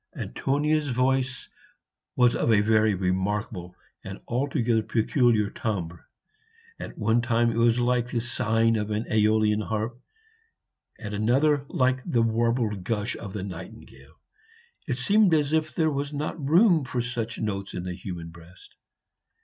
Antonia's voice was of a very remarkable and altogether peculiar timbre: at one time it was like the sighing of an Aeolian harp, at another like the warbled gush of the nightingale. It seemed as if there was not room for such notes in the human breast.